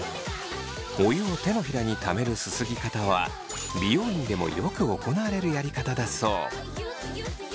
お湯を手のひらにためるすすぎ方は美容院でもよく行われるやり方だそう。